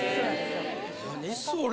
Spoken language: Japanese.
何それ。